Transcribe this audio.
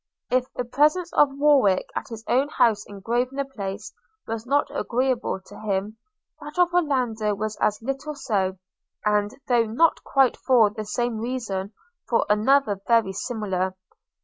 If the presence of Warwick at his own house in Grosvenor Place was not agreeable to him, that of Orlando was as little so; and, though not for quite the same reason, for another very similar.